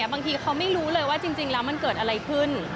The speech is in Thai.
บางทีเขาไม่รู้เลยว่าจริงแล้วมันเกิดอะไรขึ้น